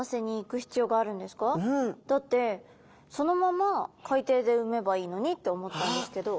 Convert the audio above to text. だってそのまま海底でうめばいいのにって思ったんですけど。